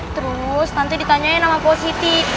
terus nanti ditanyain nama positi